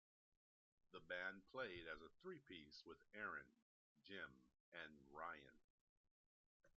The band played as a three piece with Aaron, Jim, and Ryan.